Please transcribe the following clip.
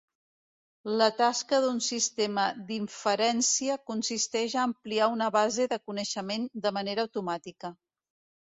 La tasca d'un sistema d'inferència consisteix a ampliar un base de coneixement de manera automàtica.